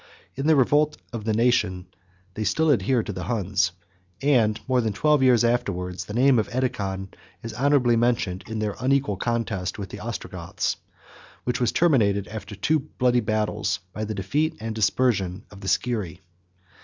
In the revolt of the nations, they still adhered to the Huns; and more than twelve years afterwards, the name of Edecon is honorably mentioned, in their unequal contests with the Ostrogoths; which was terminated, after two bloody battles, by the defeat and dispersion of the Scyrri.